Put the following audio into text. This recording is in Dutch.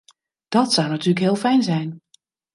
Dat zou natuurlijk heel fijn zijn.